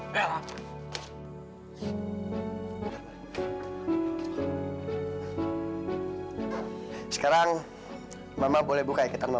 sekarang mama boleh buka ikutan mama